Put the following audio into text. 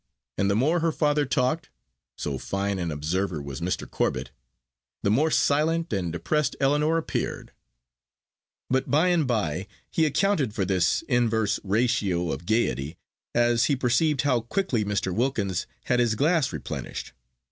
And the more her father talked so fine an observer was Mr. Corbet the more silent and depressed Ellinor appeared. But by and by he accounted for this inverse ratio of gaiety, as he perceived how quickly Mr. Wilkins had his glass replenished.